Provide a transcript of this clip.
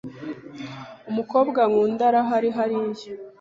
Umukobwa nkunda arahari hariya.